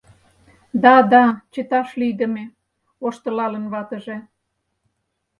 — Да, да, чыташ лийдыме, — воштылалын ватыже.